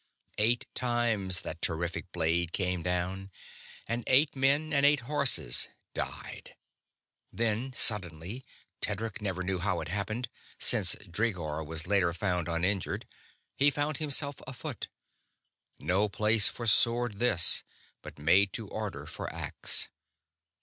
Eight times that terrific blade came down, and eight men and eight horses died. Then, suddenly Tedric never did know how it happened, since Dreegor was later found uninjured he found himself afoot. No place for sword, this, but made to order for axe.